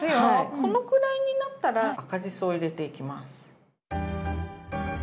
このくらいになったら赤じそを入れていきます。